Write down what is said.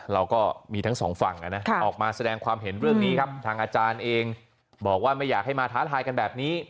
เราก็มีทั้งสองฝั่งออกมาแสดงความเห็นเรื่องนี้ครับทางอาจารย์เองบอกว่าไม่อยากให้มาท้าทายกันแบบนี้